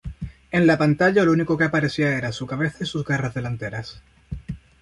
En la pantalla lo único que aparecía era su cabeza y sus garras delanteras.